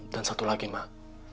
dan satu lagi mak